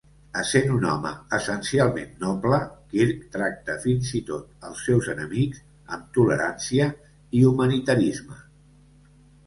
Essent un home essencialment noble, Kirk tracta fins i tot als seus enemics amb tolerància i humanitarisme.